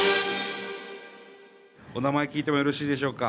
お名前聞いてもよろしいでしょうか。